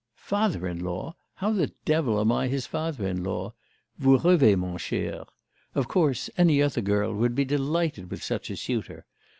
'Father in law! How the devil am I his father in law? Vous rêvez, mon cher. Of course, any other girl would be delighted with such a suitor.